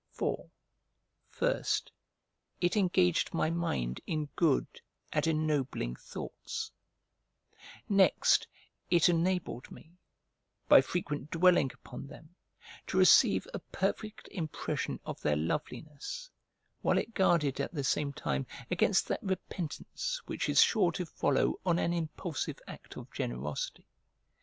For, first, it engaged my mind in good and ennobling thoughts; next, it enabled me, by frequent dwelling upon them, to receive a perfect impression of their loveliness, while it guarded at the same time against that repentance which is sure to follow on an impulsive act of generosity.